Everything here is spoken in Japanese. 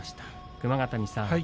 熊ヶ谷さん